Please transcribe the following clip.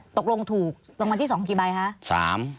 ตกลงถูกรางวัลที่๒กี่ใบคะ